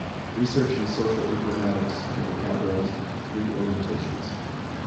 Research in social informatics can be categorized into three orientations.